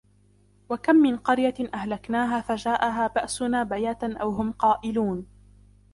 وَكَمْ مِنْ قَرْيَةٍ أَهْلَكْنَاهَا فَجَاءَهَا بَأْسُنَا بَيَاتًا أَوْ هُمْ قَائِلُونَ